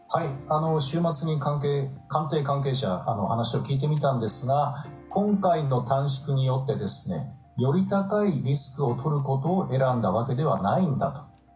週末に官邸関係者に話を聞いてみたんですが今回の短縮によってより高いリスクを取ることを選んだわけではないんだと。